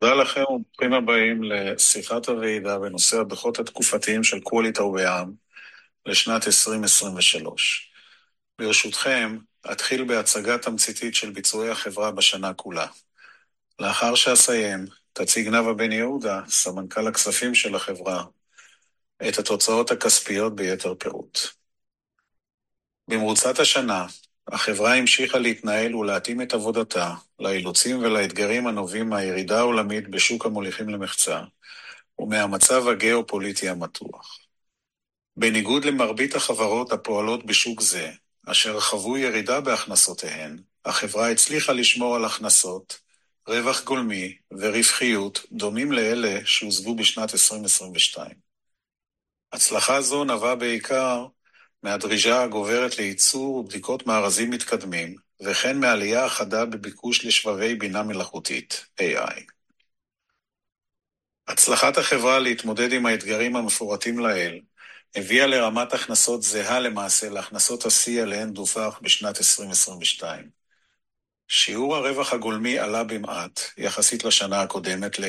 תודה לכם וברוכים הבאים לשיחת הרעידה בנושא הדוחות התקופתיים של קואליטאו ביאם לשנת 2023. ברשותכם, אתחיל בהצגה תמציתית של ביצועי החברה בשנה כולה. לאחר שאסיים, תציג נאוה בן יהודה, סמנכ"ל הכספים של החברה, את התוצאות הכספיות ביתר פירוט. במרוצת השנה החברה המשיכה להתנהל ולהתאים את עבודתה לאילוצים ולאתגרים הנובעים מהירידה העולמית בשוק המוליכים למחצה ומהמצב הגאופוליטי המתוח. בניגוד למרבית החברות הפועלות בשוק זה, אשר חוו ירידה בהכנסותיהן, החברה הצליחה לשמור על הכנסות, רווח גולמי ורווחיות דומים לאלה שהושגו בשנת 2022. הצלחה זו נבעה בעיקר מהדרישה הגוברת לייצור ובדיקות מארזים מתקדמים, וכן מהעלייה החדה בביקוש לשבבי בינה מלאכותית, AI. הצלחת החברה להתמודד עם האתגרים המפורטים לעיל הביאה לרמת הכנסות זהה למעשה להכנסות השיא אליהן דווח בשנת 2022. שיעור הרווח הגולמי עלה במעט יחסית לשנה הקודמת ל-67.3%,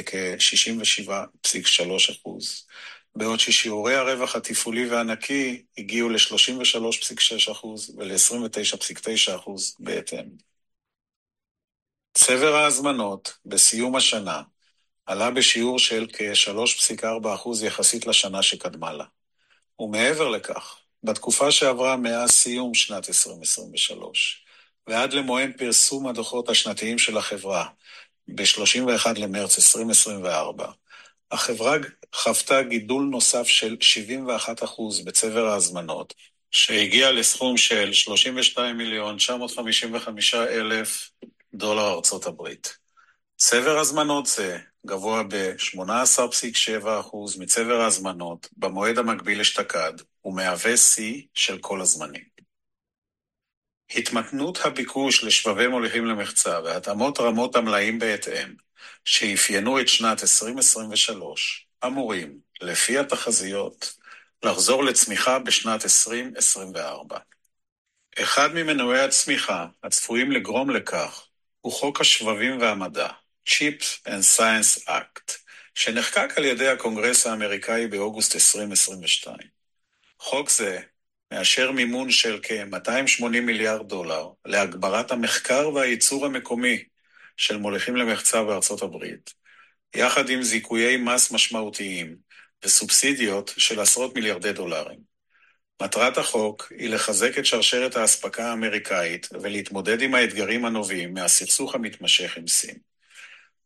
בעוד ששיעורי הרווח התפעולי והנקי הגיעו ל-33.6% ול-29.9% בהתאם. צבר ההזמנות בסיום השנה עלה בשיעור של כ-3.4% יחסית לשנה שקדמה לה, ומעבר לכך, בתקופה שעברה מאז סיום שנת 2023 ועד למועד פרסום הדוחות השנתיים של החברה ב-31 במרץ 2024, החברה חוותה גידול נוסף של 71% בצבר ההזמנות, שהגיע לסכום של $32,955,000. צבר הזמנות זה גבוה ב-18.7% מצבר ההזמנות במועד המקביל אשתקד ומהווה שיא של כל הזמנים. התמתנות הביקוש לשבבי מוליכים למחצה והתאמות רמות המלאים בהתאם, שאפיינו את שנת 2023, אמורים, לפי התחזיות, לחזור לצמיחה בשנת 2024. אחד ממנועי הצמיחה הצפויים לגרום לכך הוא חוק השבבים והמדע, Chips and Science Act, שנחקק על ידי הקונגרס האמריקאי באוגוסט 2022. חוק זה מאשר מימון של כ-$280 מיליארד להגברת המחקר והייצור המקומי של מוליכים למחצה בארצות הברית, יחד עם זיכויי מס משמעותיים וסובסידיות של עשרות מיליארדי דולרים. מטרת החוק היא לחזק את שרשרת האספקה האמריקאית ולהתמודד עם האתגרים הנובעים מהסכסוך המתמשך עם סין.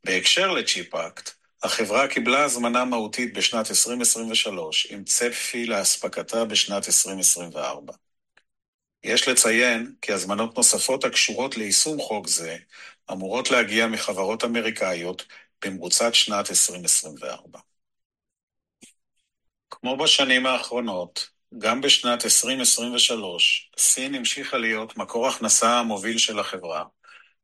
בהקשר לציפ אקט, החברה קיבלה הזמנה מהותית בשנת 2023, עם צפי לאספקתה בשנת 2024. יש לציין כי הזמנות נוספות הקשורות ליישום חוק זה אמורות להגיע מחברות אמריקאיות במרוצת שנת 2024. כמו בשנים האחרונות, גם בשנת 2023, סין המשיכה להיות מקור ההכנסה המוביל של החברה,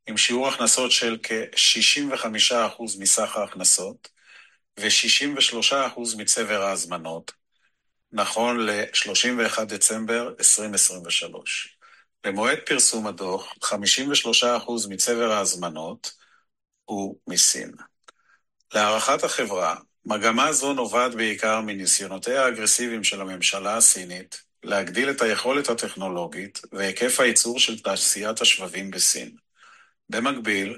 עם שיעור הכנסות של כ-65% מסך ההכנסות ו-63% מצבר ההזמנות, נכון ל-31 בדצמבר 2023. במועד פרסום הדוח, 53% מצבר ההזמנות הוא מסין. להערכת החברה, מגמה זו נובעת בעיקר מניסיונותיה האגרסיביים של הממשלה הסינית להגדיל את היכולת הטכנולוגית והיקף הייצור של תעשיית השבבים בסין. במקביל,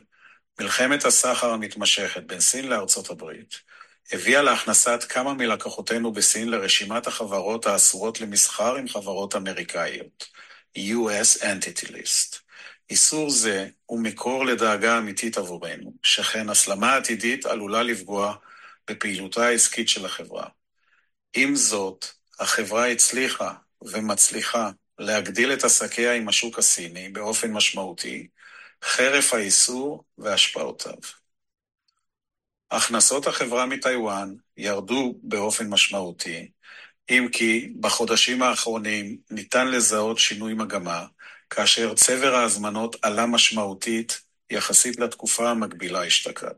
מלחמת הסחר המתמשכת בין סין לארצות הברית הביאה להכנסת כמה מלקוחותינו בסין לרשימת החברות האסורות למסחר עם חברות אמריקאיות, US Entity List. איסור זה הוא מקור לדאגה אמיתית עבורנו, שכן הסלמה עתידית עלולה לפגוע בפעילותה העסקית של החברה. עם זאת, החברה הצליחה ומצליחה להגדיל את עסקיה עם השוק הסיני באופן משמעותי, חרף האיסור והשפעותיו. הכנסות החברה מטייוואן ירדו באופן משמעותי, אם כי בחודשים האחרונים ניתן לזהות שינוי מגמה, כאשר צבר ההזמנות עלה משמעותית יחסית לתקופה המקבילה אשתקד.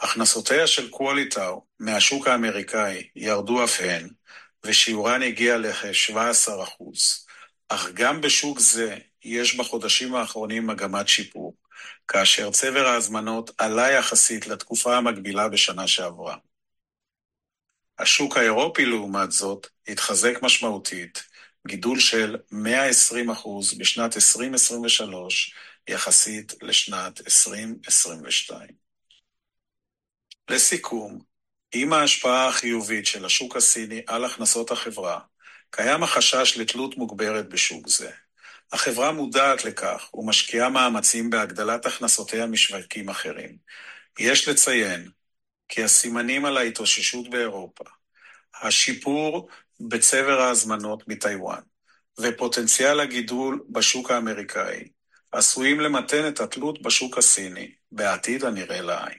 הכנסותיה של קואליטאו מהשוק האמריקאי ירדו אף הן, ושיעורן הגיע לכ-17%, אך גם בשוק זה יש בחודשים האחרונים מגמת שיפור, כאשר צבר ההזמנות עלה יחסית לתקופה המקבילה בשנה שעברה. השוק האירופי, לעומת זאת, התחזק משמעותית בגידול של 120% בשנת 2023 יחסית לשנת 2022. לסיכום, עם ההשפעה החיובית של השוק הסיני על הכנסות החברה, קיים החשש לתלות מוגברת בשוק זה. החברה מודעת לכך ומשקיעה מאמצים בהגדלת הכנסותיה משווקים אחרים. יש לציין כי הסימנים על ההתאוששות באירופה, השיפור בצבר ההזמנות מטייוואן ופוטנציאל הגידול בשוק האמריקאי עשויים למתן את התלות בשוק הסיני בעתיד הנראה לעין.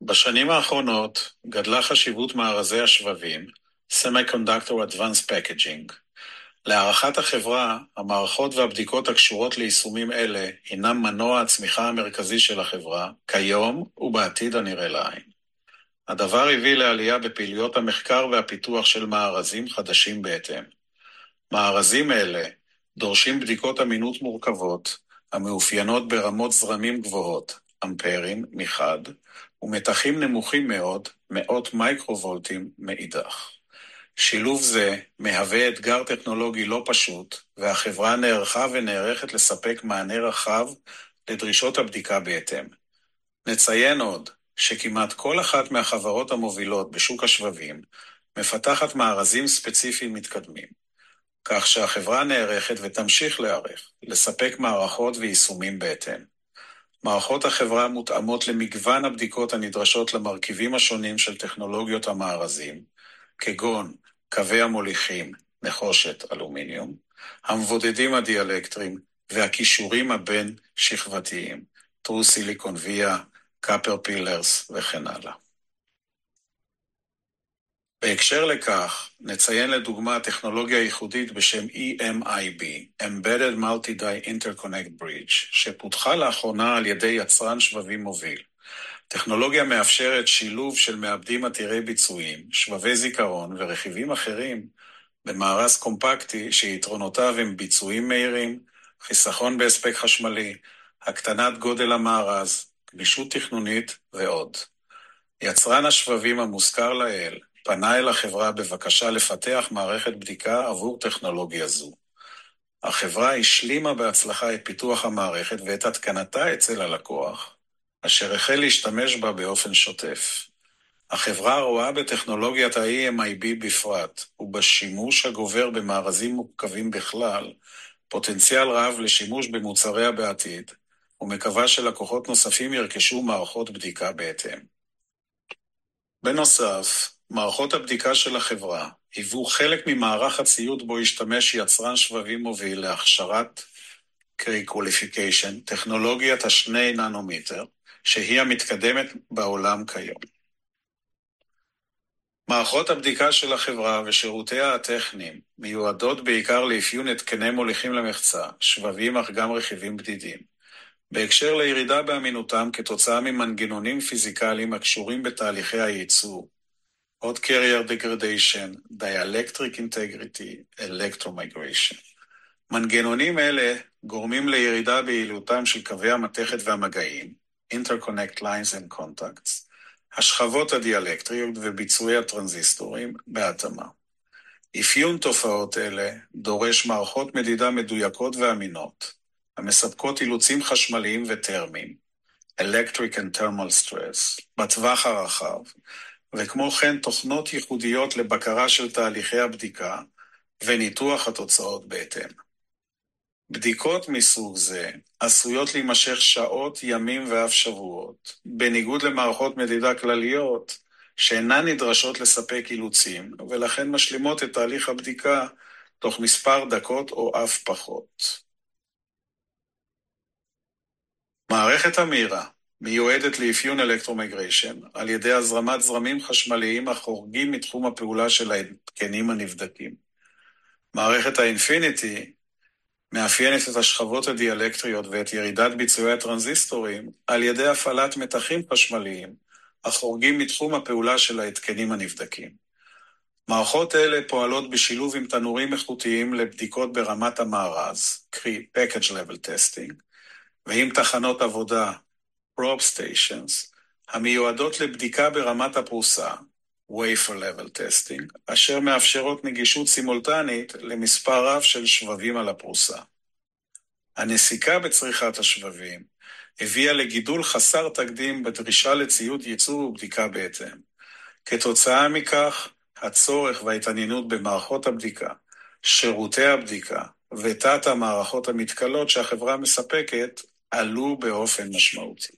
בשנים האחרונות גדלה חשיבות מארזי השבבים, Semiconductor Advance Packaging. להערכת החברה, המערכות והבדיקות הקשורות ליישומים אלה הינם מנוע הצמיחה המרכזי של החברה כיום ובעתיד הנראה לעין. הדבר הביא לעלייה בפעילויות המחקר והפיתוח של מערכים חדשים בהתאם. מערכים אלה דורשים בדיקות אמינות מורכבות המאופיינות ברמות זרמים גבוהות, אמפרים מחד, ומתחים נמוכים מאוד, מאות מיקרו וולטים מאידך. שילוב זה מהווה אתגר טכנולוגי לא פשוט, והחברה נערכה ונערכת לספק מענה רחב לדרישות הבדיקה בהתאם. נציין עוד שכמעט כל אחת מהחברות המובילות בשוק השבבים מפתחת מערכים ספציפיים מתקדמים, כך שהחברה נערכת ותמשיך להיערך, לספק מערכות ויישומים בהתאם. מערכות החברה מותאמות למגוון הבדיקות הנדרשות למרכיבים השונים של טכנולוגיות המארזים, כגון קווי המוליכים, נחושת, אלומיניום, המבודדים הדיאלקטריים והקישורים הבין שכבתיים. Through Silicon Via, Copper Fillers וכן הלאה. בהקשר לכך, נציין לדוגמה טכנולוגיה ייחודית בשם EMIB, Embedded Multi-die Interconnect Bridge שפותחה לאחרונה על ידי יצרן שבבים מוביל. הטכנולוגיה מאפשרת שילוב של מעבדים עתירי ביצועים, שבבי זיכרון ורכיבים אחרים במארז קומפקטי, שיתרונותיו הם ביצועים מהירים, חיסכון בהספק חשמלי, הקטנת גודל המארז, גמישות תכנונית ועוד. יצרן השבבים המוזכר לעיל פנה אל החברה בבקשה לפתח מערכת בדיקה עבור טכנולוגיה זו. החברה השלימה בהצלחה את פיתוח המערכת ואת התקנתה אצל הלקוח, אשר החל להשתמש בה באופן שוטף. החברה רואה בטכנולוגיית ה-EMIB בפרט ובשימוש הגובר במארזים מורכבים בכלל, פוטנציאל רב לשימוש במוצריה בעתיד, ומקווה שלקוחות נוספים ירכשו מערכות בדיקה בהתאם. בנוסף, מערכות הבדיקה של החברה היוו חלק ממערך הציוד בו השתמש יצרן שבבים מוביל להכשרת קרי קוואליפיקיישן טכנולוגיית השני ננומטר, שהיא המתקדמת בעולם כיום. מערכות הבדיקה של החברה ושירותיה הטכניים מיועדות בעיקר לאפיון התקני מוליכים למחצה, שבבים, אך גם רכיבים בדידים בהקשר לירידה באמינותם כתוצאה ממנגנונים פיזיקליים הקשורים בתהליכי הייצור. Hot Carrier Degradation, Dielectric Integrity, Electromigration. מנגנונים אלה גורמים לירידה ביעילותם של קווי המתכת והמגעים, Interconnect Lines and Contacts, השכבות הדיאלקטריות וביצועי הטרנזיסטורים בהתאמה. אפיון תופעות אלה דורש מערכות מדידה מדויקות ואמינות המספקות אילוצים חשמליים ותרמיים, Electric and Thermal Stress, בטווח הרחב וכמו כן תוכנות ייחודיות לבקרה של תהליכי הבדיקה וניתוח התוצאות בהתאם. בדיקות מסוג זה עשויות להימשך שעות, ימים ואף שבועות, בניגוד למערכות מדידה כלליות שאינן נדרשות לספק אילוצים ולכן משלימות את תהליך הבדיקה תוך מספר דקות או אף פחות. מערכת אמירה מיועדת לאפיון אלקטרו מיגריישן על ידי הזרמת זרמים חשמליים החורגים מתחום הפעולה של ההתקנים הנבדקים. מערכת האינפיניטי מאפיינת את השכבות הדיאלקטריות ואת ירידת ביצועי הטרנזיסטורים על ידי הפעלת מתחים חשמליים החורגים מתחום הפעולה של ההתקנים הנבדקים. מערכות אלה פועלות בשילוב עם תנורים איכותיים לבדיקות ברמת המארז, קרי Package Level Testing, ועם תחנות עבודה Probe Stations המיועדות לבדיקה ברמת הפרוסה Wafer Level Testing, אשר מאפשרות נגישות סימולטנית למספר רב של שבבים על הפרוסה. הנסיקה בצריכת השבבים הביאה לגידול חסר תקדים בדרישה לציוד ייצור ובדיקה בהתאם. כתוצאה מכך, הצורך וההתעניינות במערכות הבדיקה, שירותי הבדיקה ותת המערכות המתכלות שהחברה מספקת עלו באופן משמעותי.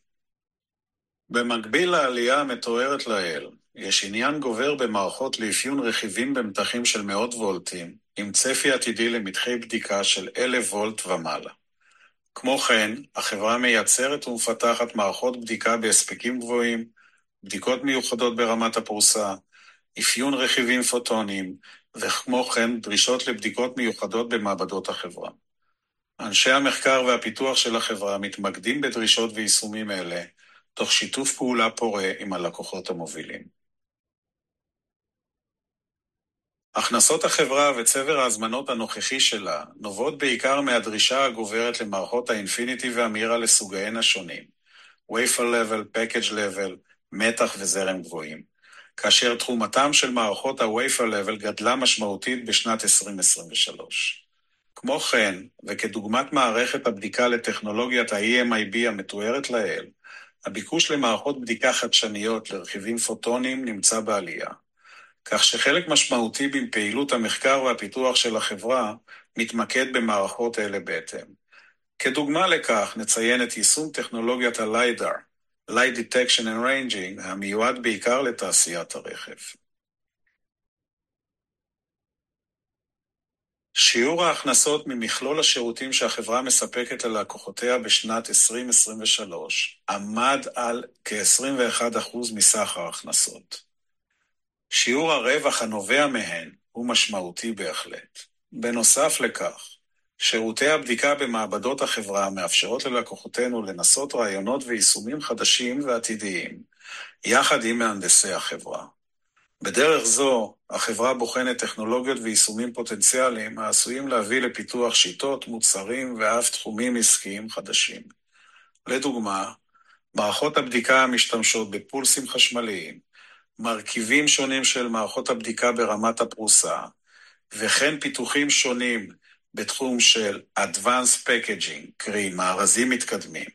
במקביל לעלייה המתוארת לעיל, יש עניין גובר במערכות לאפיון רכיבים במתחים של מאות וולטים, עם צפי עתידי למתחי בדיקה של אלף וולט ומעלה. כמו כן, החברה מייצרת ומפתחת מערכות בדיקה בהספקים גבוהים, בדיקות מיוחדות ברמת הפרוסה, אפיון רכיבים פוטונים וכמו כן דרישות לבדיקות מיוחדות במעבדות החברה. אנשי המחקר והפיתוח של החברה מתמקדים בדרישות ויישומים אלה תוך שיתוף פעולה פורה עם הלקוחות המובילים. הכנסות החברה וצבר ההזמנות הנוכחי שלה נובעות בעיקר מהדרישה הגוברת למערכות האינפיניטי והאמירה לסוגיהן השונים. Wafer Level, Package Level, מתח וזרם גבוהים, כאשר תחומם של מערכות ה-Wafer Level גדלה משמעותית בשנת 2023. כמו כן, וכדוגמת מערכת הבדיקה לטכנולוגיית ה-EMIB המתוארת לעיל, הביקוש למערכות בדיקה חדשניות לרכיבים פוטונים נמצא בעלייה, כך שחלק משמעותי מפעילות המחקר והפיתוח של החברה מתמקד במערכות אלה בהתאם. כדוגמה לכך נציין את יישום טכנולוגיית הלידאר Light Detection and Ranging, המיועד בעיקר לתעשיית הרכב. שיעור ההכנסות ממכלול השירותים שהחברה מספקת ללקוחותיה בשנת 2023 עמד על כ-21% מסך ההכנסות. שיעור הרווח הנובע מהן הוא משמעותי בהחלט. בנוסף לכך, שירותי הבדיקה במעבדות החברה מאפשרות ללקוחותינו לנסות רעיונות ויישומים חדשים ועתידיים, יחד עם מהנדסי החברה. בדרך זו החברה בוחנת טכנולוגיות ויישומים פוטנציאליים העשויים להביא לפיתוח שיטות, מוצרים ואף תחומים עסקיים חדשים. לדוגמה, מערכות הבדיקה המשתמשות בפולסים חשמליים, מרכיבים שונים של מערכות הבדיקה ברמת הפרוסה וכן פיתוחים שונים בתחום של Advance Packaging, קרי מארזים מתקדמים,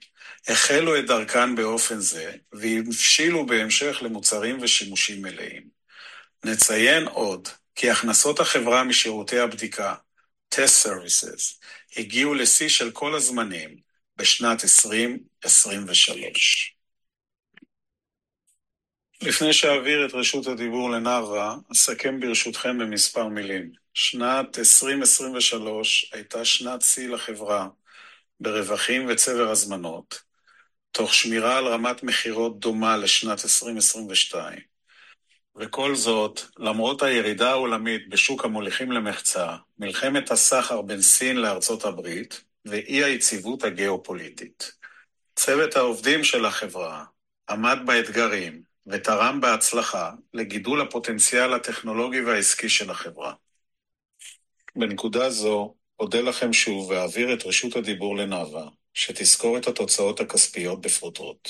החלו את דרכן באופן זה והבשילו בהמשך למוצרים ושימושים מלאים. נציין עוד כי הכנסות החברה משירותי הבדיקה, Test Services, הגיעו לשיא של כל הזמנים בשנת 2023. לפני שאעביר את רשות הדיבור לנאוה, אסכם ברשותכם במספר מילים. שנת 2023 הייתה שנת שיא לחברה ברווחים וצבר הזמנות, תוך שמירה על רמת מכירות דומה לשנת 2022. וכל זאת למרות הירידה העולמית בשוק המוליכים למחצה, מלחמת הסחר בין סין לארצות הברית ואי היציבות הגאופוליטית. צוות העובדים של החברה עמד באתגרים ותרם בהצלחה לגידול הפוטנציאל הטכנולוגי והעסקי של החברה. בנקודה זו אודה לכם שוב ואעביר את רשות הדיבור לנאוה, שתסקור את התוצאות הכספיות בפרוטרוט.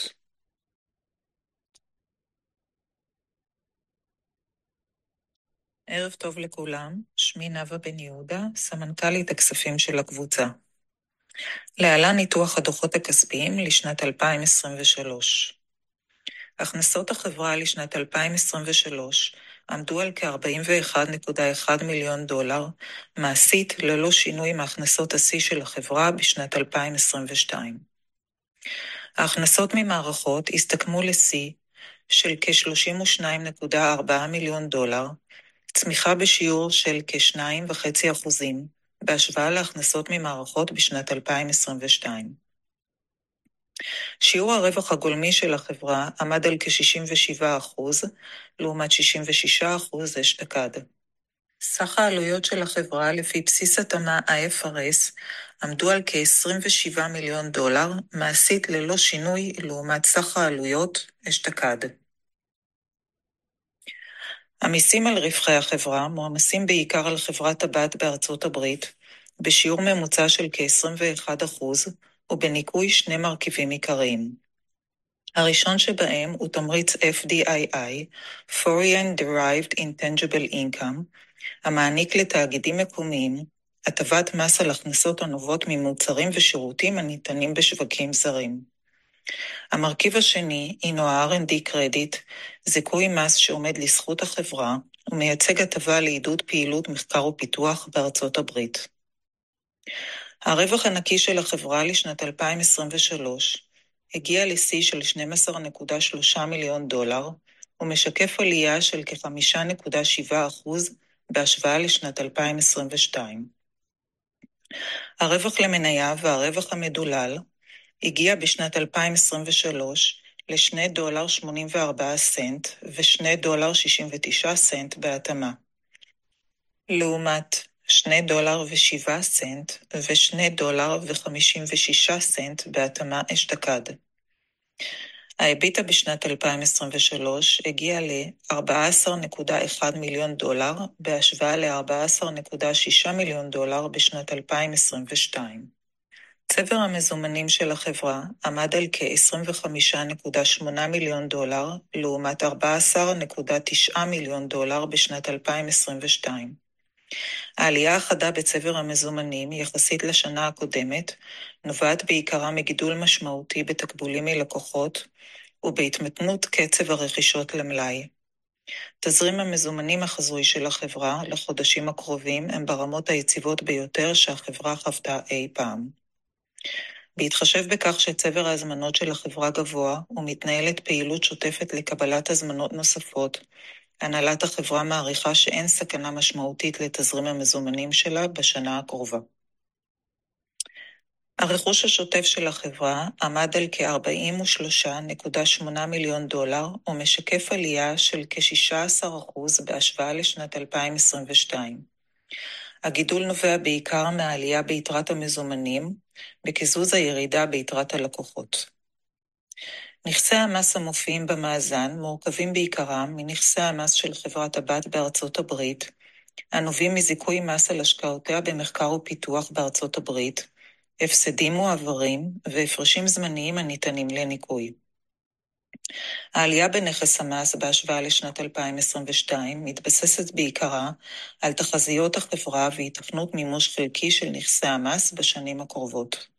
ערב טוב לכולם. שמי נאוה בן יהודה, סמנכ"לית הכספים של הקבוצה. להלן ניתוח הדוחות הכספיים לשנת 2023. הכנסות החברה לשנת 2023 עמדו על כ-$41.1 מיליון, מעשית ללא שינוי מהכנסות השיא של החברה בשנת 2022. ההכנסות ממערכות הסתכמו לשיא של כ-$32.4 מיליון, צמיחה בשיעור של כ-2.5% בהשוואה להכנסות ממערכות בשנת 2022. שיעור הרווח הגולמי של החברה עמד על כ-67%, לעומת 66% אשתקד. סך העלויות של החברה לפי בסיס התאמה I.F.R.S. עמדו על כ-$27 מיליון, מעשית ללא שינוי לעומת סך העלויות אשתקד. המיסים על רווחי החברה מועמסים בעיקר על חברת הבת בארצות הברית, בשיעור ממוצע של כ-21% ובניכוי שני מרכיבים עיקריים. הראשון שבהם הוא תמריץ F.D.I. FDII, Foreign Derived Intangible Income, המעניק לתאגידים מקומיים הטבת מס על הכנסות הנובעות ממוצרים ושירותים הניתנים בשווקים זרים. המרכיב השני הוא ה-R&D Credit, זיכוי מס שעומד לזכות החברה ומייצג הטבה לעידוד פעילות מחקר ופיתוח בארצות הברית. הרווח הנקי של החברה לשנת 2023 הגיע לשיא של $12.3 מיליון, ומשקף עלייה של כ-5.7% בהשוואה לשנת 2022. הרווח למניה והרווח המדולל הגיע בשנת 2023 ל-$2.84 ו-$2.69 בהתאמה, לעומת $2.07 ו-$2.56 בהתאמה אשתקד. האביטה בשנת 2023 הגיע ל-$14.1 מיליון, בהשוואה ל-$14.6 מיליון בשנת 2022. צבר המזומנים של החברה עמד על כ-$25.8 מיליון, לעומת $14.9 מיליון בשנת 2022. העלייה החדה בצבר המזומנים יחסית לשנה הקודמת נובעת בעיקרה מגידול משמעותי בתקבולים מלקוחות ובהתמתנות קצב הרכישות למלאי. תזרים המזומנים החזוי של החברה לחודשים הקרובים הם ברמות היציבות ביותר שהחברה חוותה אי פעם. בהתחשב בכך שצבר ההזמנות של החברה גבוה ומתנהלת פעילות שוטפת לקבלת הזמנות נוספות, הנהלת החברה מעריכה שאין סכנה משמעותית לתזרים המזומנים שלה בשנה הקרובה. הרכוש השוטף של החברה עמד על כ-$43.8 מיליון, ומשקף עלייה של כ-16% בהשוואה לשנת 2022. הגידול נובע בעיקר מהעלייה ביתרת המזומנים, בקיזוז הירידה ביתרת הלקוחות. נכסי המס המופיעים במאזן מורכבים בעיקרם מנכסי המס של חברת הבת בארצות הברית, הנובעים מזיכוי מס על השקעותיה במחקר ופיתוח בארצות הברית, הפסדים מועברים והפרשים זמניים הניתנים לניכוי. העלייה בנכס המס בהשוואה לשנת 2022, מתבססת בעיקרה על תחזיות החברה והתכנות מימוש חלקי של נכסי המס בשנים הקרובות.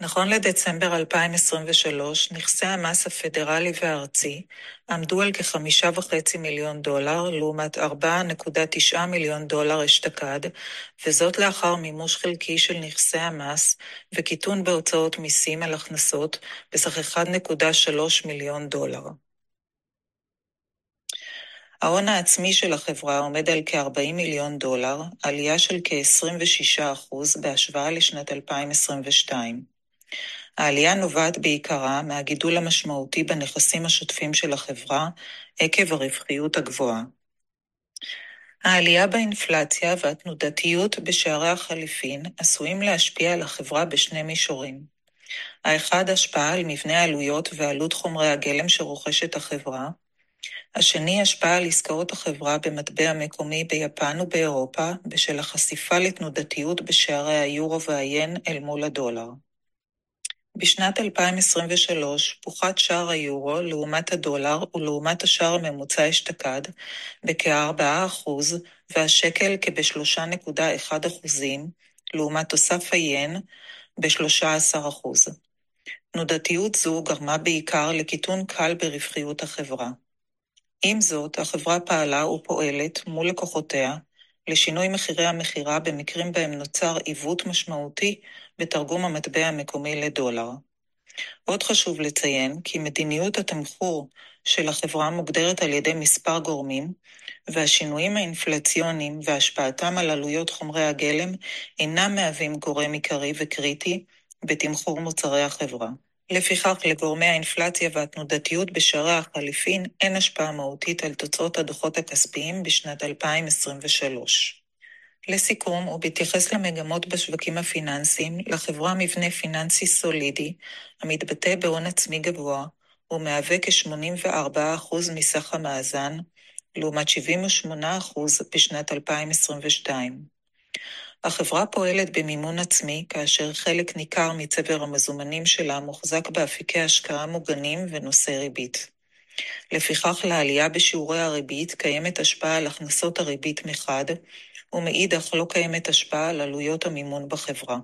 נכון לדצמבר 2023, נכסי המס הפדרלי והארצי עמדו על כ-$5.5 מיליון, לעומת $4.9 מיליון אשתקד, וזאת לאחר מימוש חלקי של נכסי המס וקיטון בהוצאות מיסים על הכנסות בסך $1.3 מיליון. ההון העצמי של החברה עומד על כ-$40 מיליון, עלייה של כ-26% בהשוואה לשנת 2022. העלייה נובעת בעיקרה מהגידול המשמעותי בנכסים השוטפים של החברה עקב הרווחיות הגבוהה. העלייה באינפלציה והתנודתיות בשערי החליפין עשויים להשפיע על החברה בשני מישורים: האחד, השפעה על מבנה העלויות ועלות חומרי הגלם שרוכשת החברה. השני, השפעה על עסקאות החברה במטבע המקומי ביפן ובאירופה, בשל החשיפה לתנודתיות בשערי האירו והין אל מול הדולר. בשנת 2023, פחת שער האירו לעומת הדולר ולעומת השער הממוצע אשתקד בכ-4%, והשקל בכ-3.1%, לעומת עליית הין ב-13%. תנודתיות זו גרמה בעיקר לקיטון קל ברווחיות החברה. עם זאת, החברה פעלה ופועלת מול לקוחותיה לשינוי מחירי המכירה במקרים בהם נוצר עיוות משמעותי בתרגום המטבע המקומי לדולר. עוד חשוב לציין כי מדיניות התמחור של החברה מוגדרת על ידי מספר גורמים, והשינויים האינפלציוניים והשפעתם על עלויות חומרי הגלם אינם מהווים גורם עיקרי וקריטי בתמחור מוצרי החברה. לפיכך, לגורמי האינפלציה והתנודתיות בשערי החליפין אין השפעה מהותית על תוצאות הדוחות הכספיים בשנת 2023. לסיכום, ובהתייחס למגמות בשווקים הפיננסיים, לחברה מבנה פיננסי סולידי המתבטא בהון עצמי גבוה ומהווה כ-84% מסך המאזן, לעומת 78% בשנת 2022. החברה פועלת במימון עצמי, כאשר חלק ניכר מצבר המזומנים שלה מוחזק באפיקי השקעה מוגנים ונושאי ריבית. לפיכך, לעלייה בשיעורי הריבית קיימת השפעה על הכנסות הריבית מחד, ומאידך לא קיימת השפעה על עלויות המימון בחברה.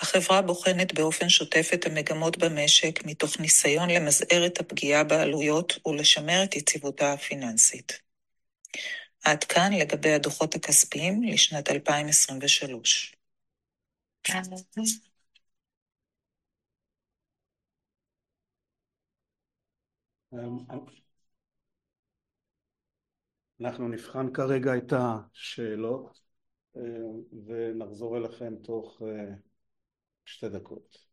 החברה בוחנת באופן שוטף את המגמות במשק, מתוך ניסיון למזער את הפגיעה בעלויות ולשמר את יציבותה הפיננסית. עד כאן לגבי הדוחות הכספיים לשנת 2023. אנחנו נבחן כרגע את השאלות, ונחזור אליכם תוך שתי דקות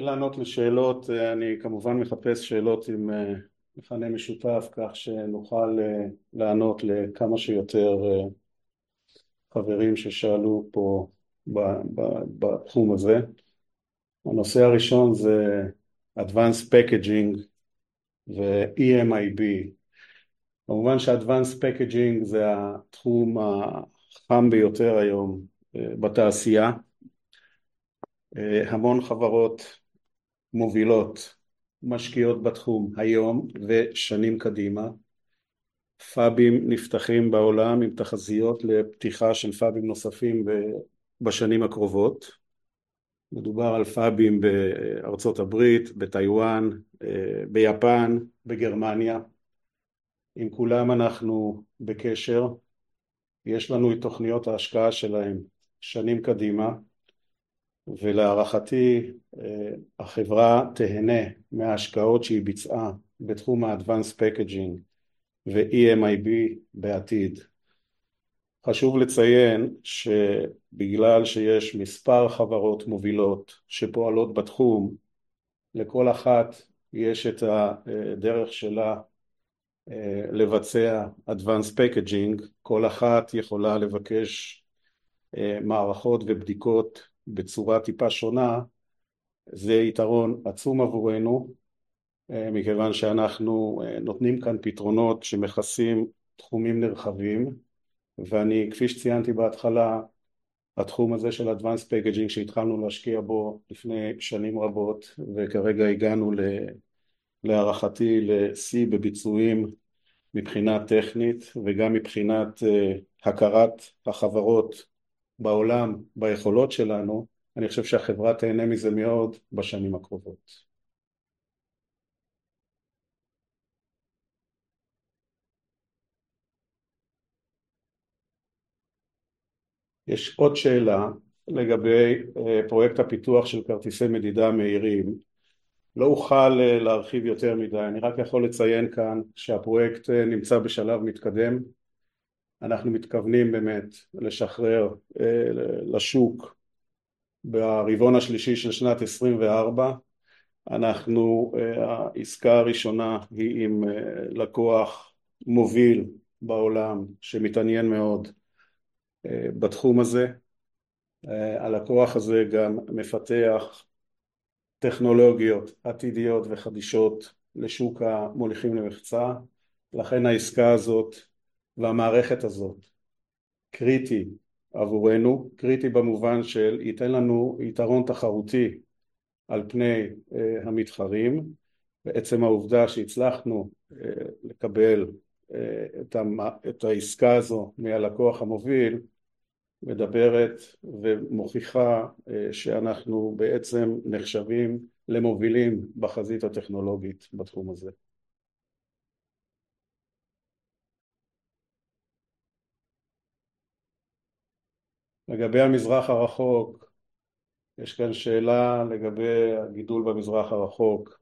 לענות לשאלות. אני כמובן מחפש שאלות עם מכנה משותף, כך שנוכל לענות לכמה שיותר חברים ששאלו פה בתחום הזה. הנושא הראשון זה Advance Packaging ו-EMIB. כמובן שה-Advance Packaging זה התחום החם ביותר היום בתעשייה. המון חברות מובילות משקיעות בתחום היום ושנים קדימה. פאבים נפתחים בעולם עם תחזיות לפתיחה של פאבים נוספים בשנים הקרובות. מדובר על פאבים בארצות הברית, בטייוואן, ביפן, בגרמניה. עם כולם אנחנו בקשר, ויש לנו את תוכניות ההשקעה שלהם שנים קדימה, ולהערכתי, החברה תהנה מההשקעות שהיא ביצעה בתחום ה-Advance Packaging ו-EMIB בעתיד. חשוב לציין שבגלל שיש מספר חברות מובילות שפועלות בתחום, לכל אחת יש את הדרך שלה לבצע Advance Packaging. כל אחת יכולה לבקש מערכות ובדיקות בצורה טיפה שונה. זה יתרון עצום עבורנו, מכיוון שאנחנו נותנים כאן פתרונות שמכסים תחומים נרחבים. כפי שציינתי בהתחלה, התחום הזה של Advance Packaging, שהתחלנו להשקיע בו לפני שנים רבות, וכרגע הגענו להערכתי לשיא בביצועים מבחינה טכנית וגם מבחינת הכרת החברות בעולם ביכולות שלנו. אני חושב שהחברה תהנה מזה מאוד בשנים הקרובות. יש עוד שאלה לגבי פרויקט הפיתוח של כרטיסי מדידה מהירים. לא אוכל להרחיב יותר מדי. אני רק יכול לציין כאן שהפרויקט נמצא בשלב מתקדם. אנחנו מתכוונים באמת לשחרר לשוק ברבעון השלישי של שנת 2024. העסקה הראשונה היא עם לקוח מוביל בעולם שמתעניין מאוד בתחום הזה. הלקוח הזה גם מפתח טכנולוגיות עתידיות וחדישות לשוק המוליכים למחצה. לכן, העסקה הזאת והמערכת הזאת קריטית עבורנו. קריטית במובן שתיתן לנו יתרון תחרותי על פני המתחרים. ועצם העובדה שהצלחנו לקבל את העסקה הזו מהלקוח המוביל, מדברת ומוכיחה שאנחנו בעצם נחשבים למובילים בחזית הטכנולוגית בתחום הזה. לגבי המזרח הרחוק, יש כאן שאלה לגבי הגידול במזרח הרחוק.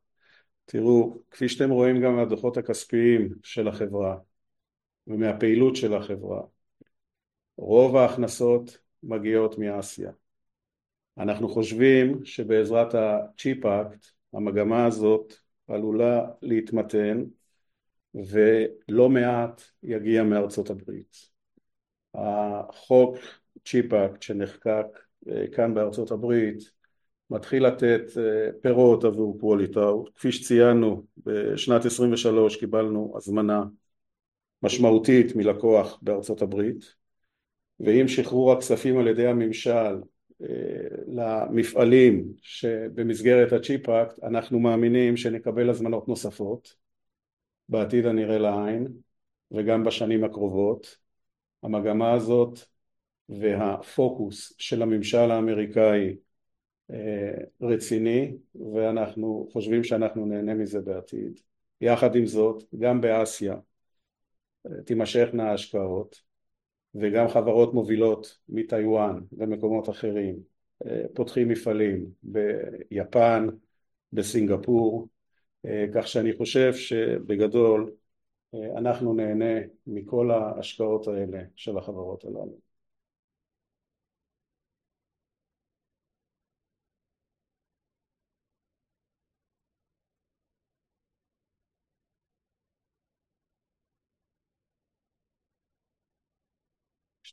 תראו, כפי שאתם רואים, גם מהדוחות הכספיים של החברה ומהפעילות של החברה, רוב ההכנסות מגיעות מאסיה. אנחנו חושבים שבעזרת הציפ אקט, המגמה הזאת עלולה להתמתן ולא מעט יגיע מארצות הברית. החוק, ציפ אקט, שנחקק כאן בארצות הברית, מתחיל לתת פירות עבור קואליטאו. כפי שציינו, בשנת 2023 קיבלנו הזמנה משמעותית מלקוח בארצות הברית, ועם שחרור הכספים על ידי הממשל למפעלים, שבמסגרת הציפ אקט, אנחנו מאמינים שנקבל הזמנות נוספות בעתיד הנראה לעין וגם בשנים הקרובות. המגמה הזאת והפוקוס של הממשל האמריקאי רציני, ואנחנו חושבים שאנחנו נהנה מזה בעתיד. יחד עם זאת, גם באסיה תימשך נאה ההשקעות, וגם חברות מובילות מטייוואן ומקומות אחרים פותחים מפעלים ביפן, בסינגפור, כך שאני חושב שבגדול אנחנו נהנה מכל ההשקעות האלה של החברות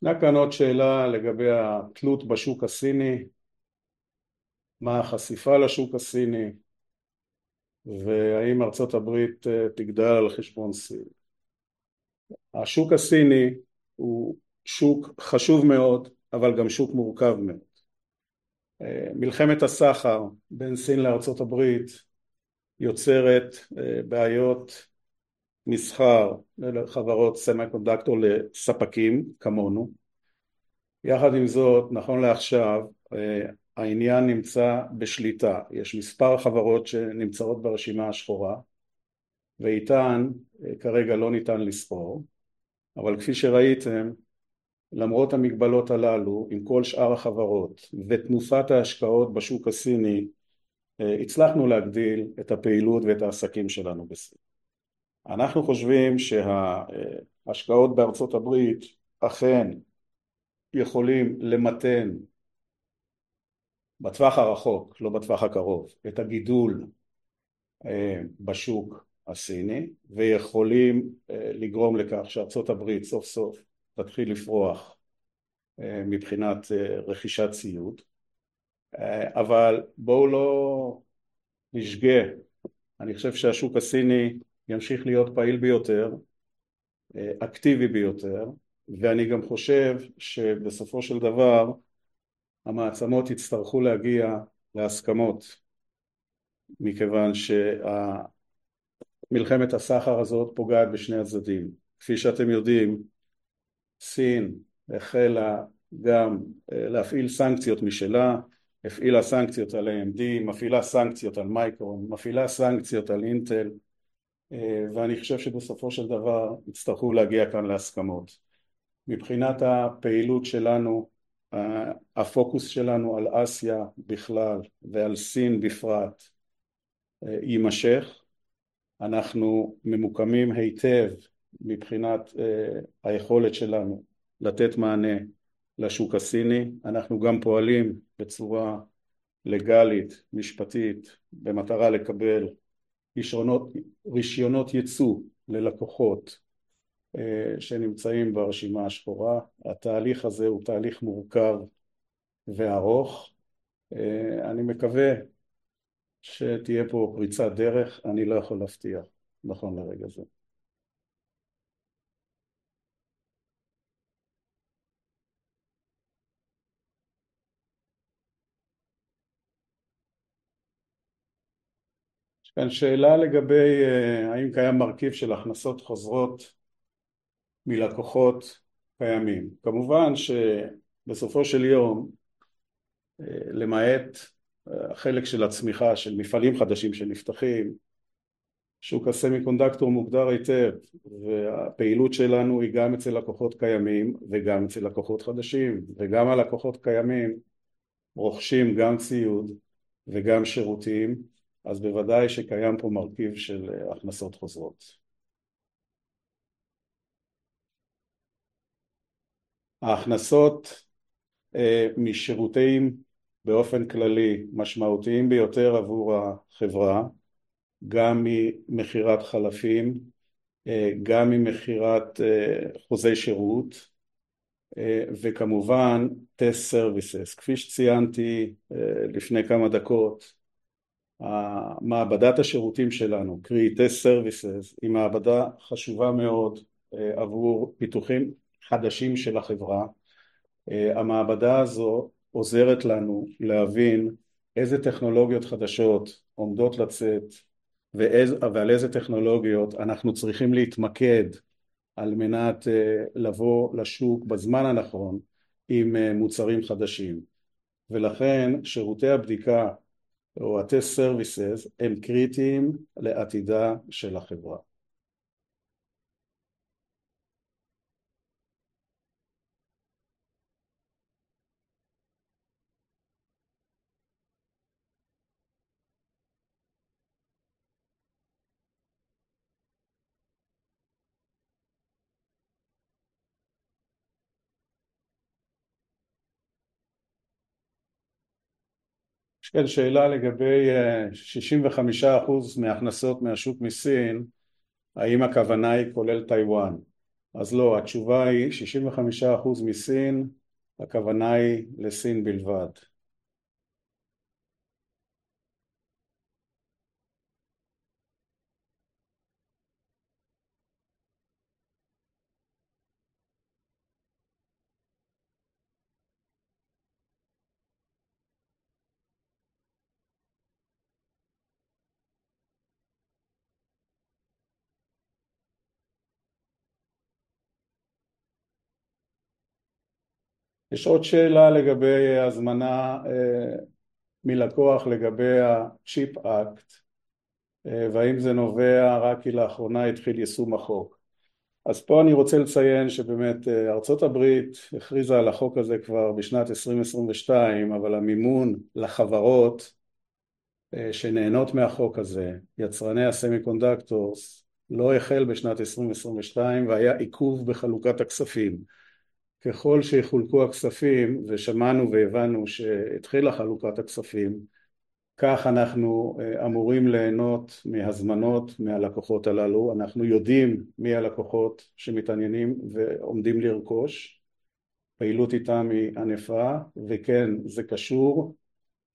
הללו. ישנה כאן עוד שאלה לגבי התלות בשוק הסיני. מה החשיפה לשוק הסיני והאם ארצות הברית תגדל על חשבון סין? השוק הסיני הוא שוק חשוב מאוד, אבל גם שוק מורכב מאוד. מלחמת הסחר בין סין לארצות הברית יוצרת בעיות מסחר לחברות סמיקונדקטור, לספקים כמונו. יחד עם זאת, נכון לעכשיו, העניין נמצא בשליטה. יש מספר חברות שנמצאות ברשימה השחורה, ואיתן כרגע לא ניתן לסחור. אבל כפי שראיתם, למרות המגבלות הללו, עם כל שאר החברות ותנופת ההשקעות בשוק הסיני, הצלחנו להגדיל את הפעילות ואת העסקים שלנו בסין. אנחנו חושבים שההשקעות בארצות הברית אכן יכולים למתן בטווח הרחוק, לא בטווח הקרוב, את הגידול בשוק הסיני, ויכולים לגרום לכך שארצות הברית סוף סוף תתחיל לפרוח מבחינת רכישת ציוד. אבל בואו לא נשגה. אני חושב שהשוק הסיני ימשיך להיות פעיל ביותר, אקטיבי ביותר, ואני גם חושב שבסופו של דבר המעצמות יצטרכו להגיע להסכמות, מכיוון שמלחמת הסחר הזאת פוגעת בשני הצדדים. כפי שאתם יודעים, סין החלה גם להפעיל סנקציות משלה. הפעילה סנקציות על AMD, מפעילה סנקציות על מייקרון, מפעילה סנקציות על אינטל, ואני חושב שבסופו של דבר יצטרכו להגיע כאן להסכמות. מבחינת הפעילות שלנו, הפוקוס שלנו על אסיה בכלל ועל סין בפרט, יימשך. אנחנו ממוקמים היטב מבחינת היכולת שלנו לתת מענה לשוק הסיני. אנחנו גם פועלים בצורה לגאלית, משפטית, במטרה לקבל אישורים, רישיונות ייצוא ללקוחות שנמצאים ברשימה השחורה. התהליך הזה הוא תהליך מורכב וארוך. אני מקווה שתהיה פה פריצת דרך. אני לא יכול להבטיח נכון לרגע זה. יש כאן שאלה לגבי האם קיים מרכיב של הכנסות חוזרות מלקוחות קיימים. כמובן שבסופו של יום, למעט חלק של הצמיחה של מפעלים חדשים שנפתחים, שוק הסמיקונדקטור מוגדר היטב, והפעילות שלנו היא גם אצל לקוחות קיימים וגם אצל לקוחות חדשים, וגם הלקוחות הקיימים רוכשים גם ציוד וגם שירותים, אז בוודאי שקיים פה מרכיב של הכנסות חוזרות. ההכנסות משירותים באופן כללי משמעותיים ביותר עבור החברה, גם ממכירת חלפים, גם ממכירת חוזי שירות, וכמובן Test Services. כפי שציינתי לפני כמה דקות, מעבדת השירותים שלנו, קרי Test Services, היא מעבדה חשובה מאוד עבור פיתוחים חדשים של החברה. המעבדה הזו עוזרת לנו להבין איזה טכנולוגיות חדשות עומדות לצאת, ואיזה ועל איזה טכנולוגיות אנחנו צריכים להתמקד על מנת לבוא לשוק בזמן הנכון עם מוצרים חדשים, ולכן שירותי הבדיקה או ה-Test Services הם קריטיים לעתידה של החברה. נשאלת שאלה לגבי 65% מההכנסות מהשוק מסין. האם הכוונה היא כולל טייוואן? אז לא, התשובה היא 65% מסין. הכוונה היא לסין בלבד. יש עוד שאלה לגבי הזמנה מלקוח לגבי ה"צ'יפ אקט", והאם זה נובע רק כי לאחרונה התחיל יישום החוק? פה אני רוצה לציין שבאמת ארצות הברית הכריזה על החוק הזה כבר בשנת 2022, אבל המימון לחברות שנהנות מהחוק הזה, יצרני הסמיקונדקטורס, לא החל בשנת 2022, והיה עיכוב בחלוקת הכספים. ככל שיחולקו הכספים, ושמענו והבנו שהתחילה חלוקת הכספים, כך אנחנו אמורים ליהנות מהזמנות מהלקוחות הללו. אנחנו יודעים מי הלקוחות שמתעניינים ועומדים לרכוש. הפעילות איתם היא ענפה, וכן, זה קשור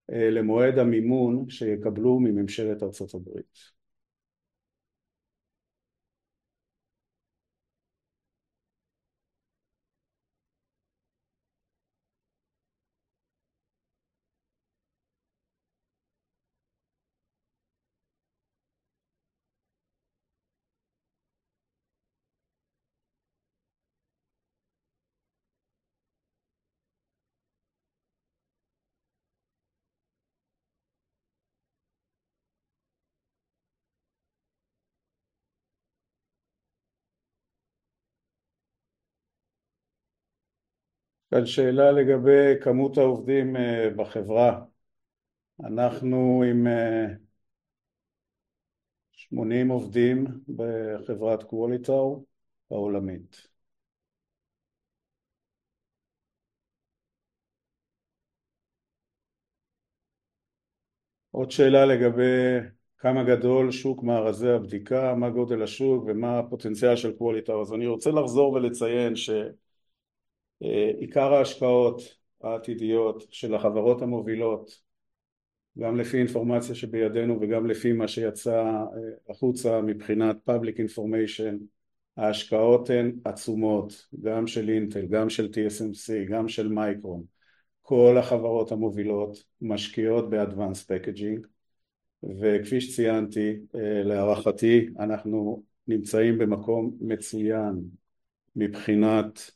למועד המימון שיקבלו מממשלת ארצות הברית. נשאלת שאלה לגבי כמות העובדים בחברה. אנחנו עם 80 עובדים בחברת קואליטאו העולמית. עוד שאלה לגבי כמה גדול שוק מערכי הבדיקה, מה גודל השוק ומה הפוטנציאל של קואליטאו? אז אני רוצה לחזור ולציין שעיקר ההשקעות העתידיות של החברות המובילות, גם לפי האינפורמציה שבידינו וגם לפי מה שיצא החוצה מבחינת Public information, ההשקעות הן עצומות, גם של אינטל, גם של TSMC, גם של מייקרון. כל החברות המובילות משקיעות ב-Advanced packaging, וכפי שציינתי, להערכתי, אנחנו נמצאים במקום מצוין מבחינת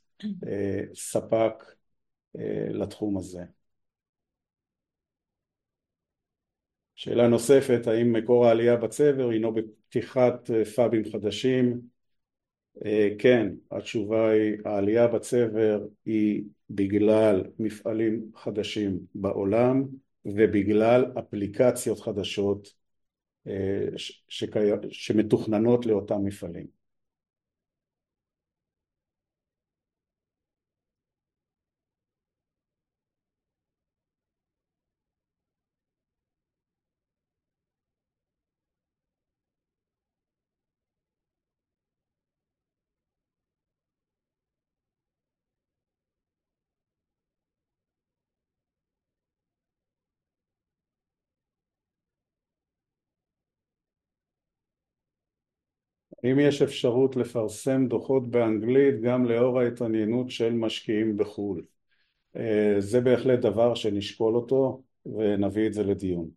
ספק לתחום הזה. שאלה נוספת: האם מקור העלייה בצבר הינו בפתיחת פאבים חדשים? כן, התשובה היא, העלייה בצבר היא בגלל מפעלים חדשים בעולם ובגלל אפליקציות חדשות שמתוכננות לאותם מפעלים. האם יש אפשרות לפרסם דוחות באנגלית גם לאור ההתעניינות של משקיעים בחו"ל? זה בהחלט דבר שנשקול אותו ונביא את זה לדיון.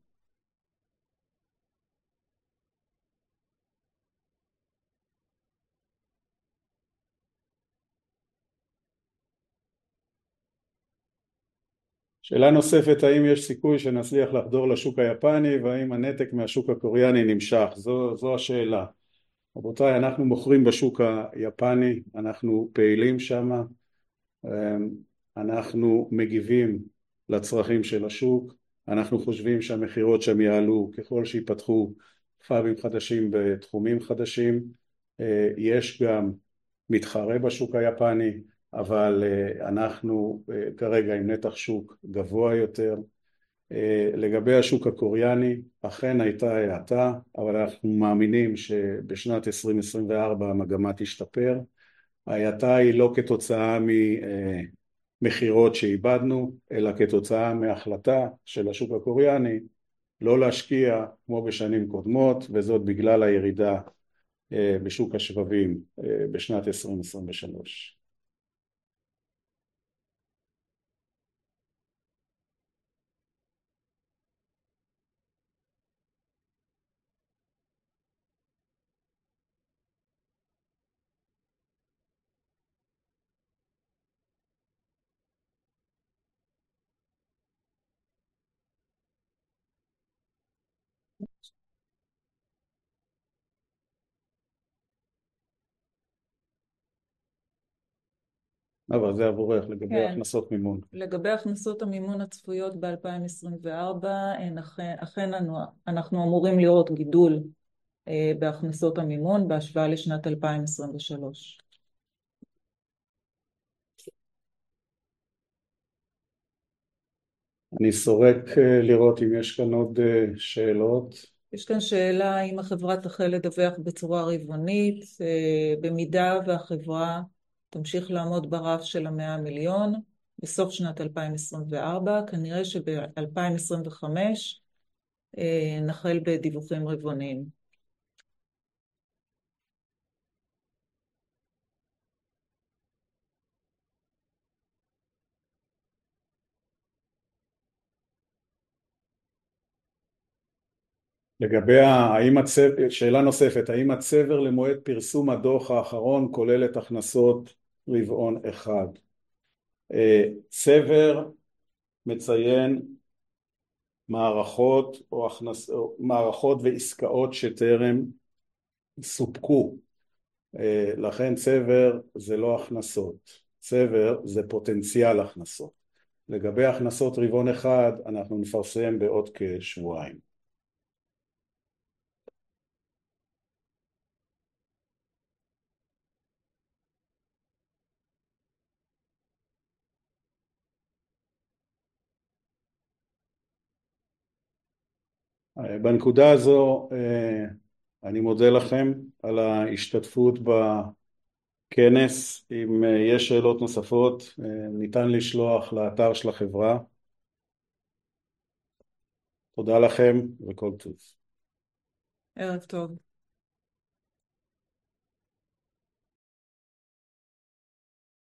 שאלה נוספת: האם יש סיכוי שנצליח לחדור לשוק היפני, והאם הנתק מהשוק הקוריאני נמשך? רבותיי, אנחנו מוכרים בשוק היפני, אנחנו פעילים שם. אנחנו מגיבים לצרכים של השוק. אנחנו חושבים שהמכירות שם יעלו ככל שייפתחו פאבים חדשים בתחומים חדשים. יש גם מתחרה בשוק היפני, אבל אנחנו כרגע עם נתח שוק גבוה יותר. לגבי השוק הקוריאני, אכן הייתה האטה, אבל אנחנו מאמינים שבשנת 2024 המגמה תשתפר. ההאטה היא לא כתוצאה ממכירות שאיבדנו, אלא כתוצאה מהחלטה של השוק הקוריאני לא להשקיע כמו בשנים קודמות, וזאת בגלל הירידה בשוק השבבים בשנת 2023. נובה, זה עבורך, לגבי הכנסות מימון. לגבי הכנסות המימון הצפויות בשנת 2024, הן אכן אנחנו אמורים לראות גידול בהכנסות המימון בהשוואה לשנת 2023. אני סורק לראות אם יש כאן עוד שאלות. יש כאן שאלה: האם החברה תחל לדווח בצורה רבעונית? במידה והחברה תמשיך לעמוד ברף של ה-100 מיליון בסוף שנת 2024, כנראה שב-2025 נחל בדיווחים רבעוניים. לגבי האם הצבר... שאלה נוספת: האם הצבר למועד פרסום הדוח האחרון כולל את הכנסות רבעון אחד? צבר מציין מערכות או הכנסות, מערכות ועסקאות שטרם סופקו. לכן צבר זה לא הכנסות. צבר זה פוטנציאל הכנסות. לגבי הכנסות רבעון אחד, אנחנו נפרסם בעוד כשבועיים. בנקודה הזו אני מודה לכם על ההשתתפות בכנס. אם יש שאלות נוספות, ניתן לשלוח לאתר של החברה. תודה לכם וכל טוב. ערב טוב!